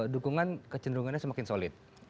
dukungan kecenderungannya semakin solid